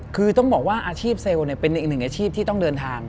คือต้องบอกว่าอาชีพเซลล์เป็นอีกหนึ่งอาชีพที่ต้องเดินทาง